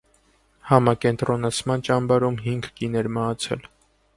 Համակենտրոնացման ճամբարում հինգ կին էր մահացել։